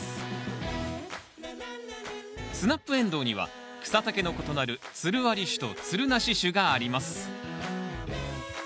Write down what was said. スナップエンドウには草丈の異なるつるあり種とつるなし種があります。